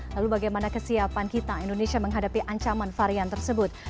lalu bagaimana kesiapan kita indonesia menghadapi ancaman varian tersebut